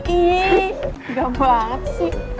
ih gak banget sih